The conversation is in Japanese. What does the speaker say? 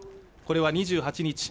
これは２８日